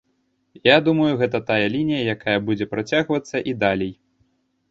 Я думаю, гэта тая лінія, якая будзе працягвацца і далей.